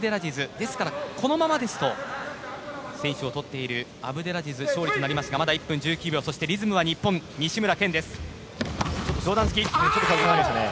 ですからこのままですと先取を取っているアブデラジズが勝利となりますがまだ１分１９秒リズムは日本、西村拳です。